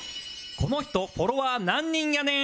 この人フォロワー何人やねん